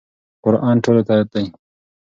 قرآن ټولو ته دی.